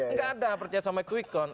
nggak ada percaya sama koecon